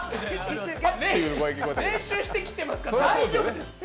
練習してきてますから大丈夫です。